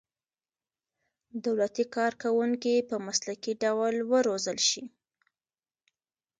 دولتي کارکوونکي په مسلکي ډول وروزل شي.